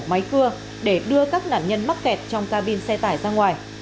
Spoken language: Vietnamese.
máy cưa để đưa các nạn nhân mắc kẹt trong ca bin xe tải ra ngoài